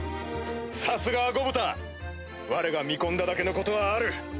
さすがはゴブタわれが見込んだだけのことはある。